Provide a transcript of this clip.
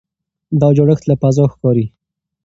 دا جوړښت له فضا ښکاري.